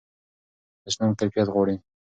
اسلام کیفیت غواړي.